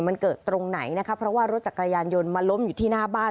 มันเกิดตรงไหนนะคะเพราะว่ารถจักรยานยนต์มาล้มอยู่ที่หน้าบ้าน